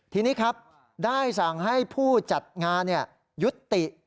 ทีนี้ครับได้สั่งให้ผู้จัดงานยุติ